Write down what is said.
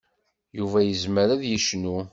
Yuba yezmer ad yecnu.